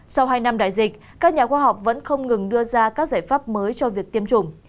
sau hai năm đại dịch các nhà khoa học vẫn không ngừng đưa ra các giải pháp mới cho việc tiêm chủng